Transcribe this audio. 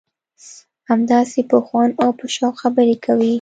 همداسې په خوند او په شوق خبرې کوي.